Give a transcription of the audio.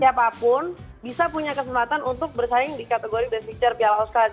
siapapun bisa punya kesempatan untuk bersaing di kategori best picture piala oscar